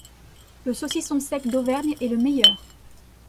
Le saucisson sec d'Auvergne est le meilleur